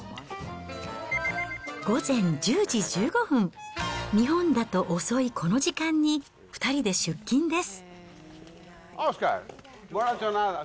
午前１０時１５分、日本だと遅いこの時間に、２人で出勤です。